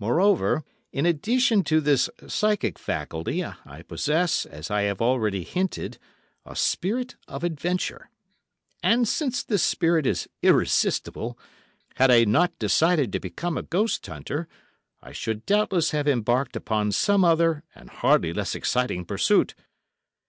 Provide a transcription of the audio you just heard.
Moreover, in addition to this psychic faculty, I possess, as I have already hinted, a spirit of adventure; and since this spirit is irresistible, had I not decided to become a ghost hunter, I should doubtless have embarked upon some other and hardly less exciting pursuit.